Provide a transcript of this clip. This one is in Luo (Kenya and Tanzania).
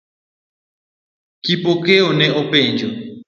Kipokeo ne openjo.